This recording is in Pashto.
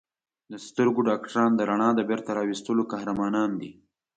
د سترګو ډاکټران د رڼا د بېرته راوستلو قهرمانان دي.